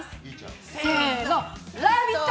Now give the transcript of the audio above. せーの、「ラヴィット！」